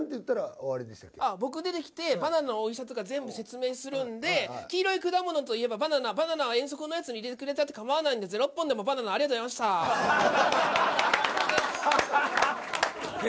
僕出てきてバナナのおいしさとか全部説明するんで黄色い果物といえばバナナバナナは遠足のおやつに入れてくれたってかまわないんだぜ６本でもバナナありがとうございましたうわ